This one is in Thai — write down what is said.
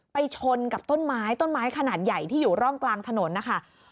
ชนกับต้นไม้ต้นไม้ขนาดใหญ่ที่อยู่ร่องกลางถนนนะคะ